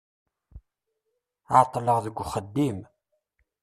Ɛeṭṭleɣ deg uxeddim.